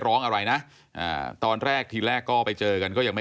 ตกลงไปจากรถไฟได้ยังไงสอบถามแล้วแต่ลูกชายก็ยังไง